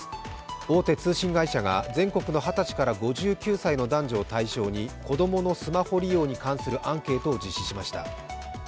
大手通信会社が全国の二十歳から５９歳の男女を対象に子供のスマホ利用に関するアンケートを実施しました。